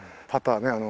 パターね